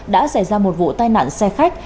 đã xảy ra một vụ tai nạn xe khách